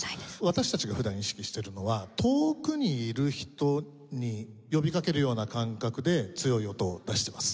私たちが普段意識しているのは遠くにいる人に呼びかけるような感覚で強い音を出してます。